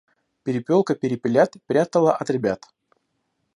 Перепелка перепелят прятала от ребят.